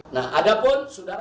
nah ada pun